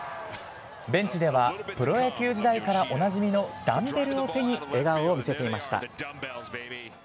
ベンチでは、プロ野球時代からおなじみのダンベルを手に、笑顔を見せていました。